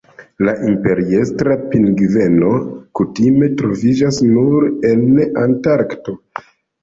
La Imperiestra pingveno kutime troviĝas nur en Antarkto.